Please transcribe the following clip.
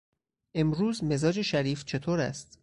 امروز مزاج شریف چطور است؟